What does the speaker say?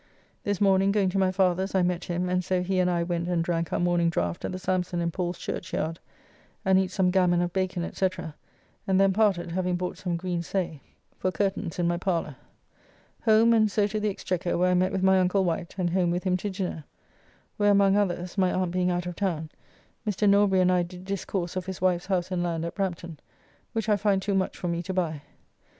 This morning going to my father's I met him, and so he and I went and drank our morning draft at the Samson in Paul's Churchyard, and eat some gammon of bacon, &c., and then parted, having bought some green Say [A woollen cloth. "Saye clothe serge." Palsgrave.] for curtains in my parler. Home, and so to the Exchequer, where I met with my uncle Wight, and home with him to dinner, where among others (my aunt being out of town), Mr. Norbury and I did discourse of his wife's house and land at Brampton, which I find too much for me to buy.